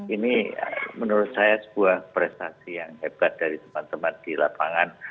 ini menurut saya sebuah prestasi yang hebat dari teman teman di lapangan